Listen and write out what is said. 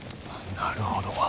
なるほど。